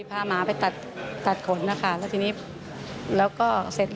ผมเป็นมะเร็งที่ปอดค่ะ